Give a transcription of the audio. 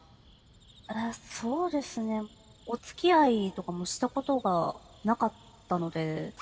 そうですねおつきあいとかもしたことがなかったので。